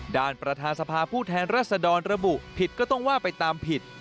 ประธานสภาผู้แทนรัศดรระบุผิดก็ต้องว่าไปตามผิด